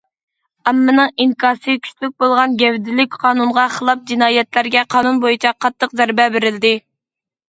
ئاممىنىڭ ئىنكاسى كۈچلۈك بولغان گەۋدىلىك قانۇنغا خىلاپ جىنايەتلەرگە قانۇن بويىچە قاتتىق زەربە بېرىلدى.